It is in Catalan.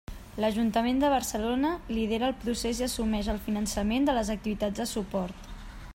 L'Ajuntament de Barcelona lidera el procés i assumeix el finançament de les activitats de suport.